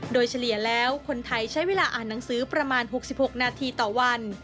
โดยเฉลี่ยแล้วคนไทยใช้เวลาอ่านหนังสือประมาณ๖๖นาทีต่อวัน